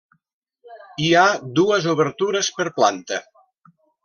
Hi ha dues obertures per planta.